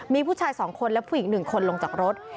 มีผู้ชาย๒คนและผู้หญิง๑คนลงจากรถ